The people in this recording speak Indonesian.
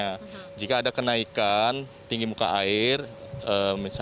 nah jika ada kenaikan tinggi muka air